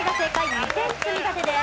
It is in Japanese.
２点積み立てです。